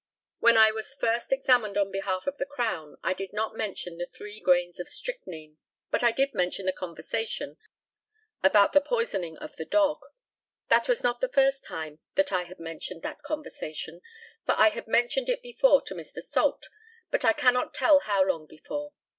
When I was first examined on behalf of the Crown, I did not mention the three grains of strychnine, but I did mention the conversation about the poisoning of the dog. That was not the first time that I had mentioned that conversation; for I had mentioned it before to Mr. Salt; but I cannot tell how long before.